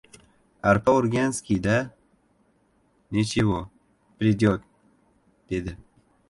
— Arpa o‘rganskiy-da? Nichego, pridyot! — dedi.